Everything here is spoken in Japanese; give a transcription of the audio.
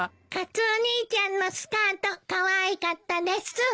カツオ兄ちゃんのスカートかわいかったです。